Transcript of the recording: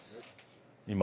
今？